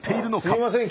すいません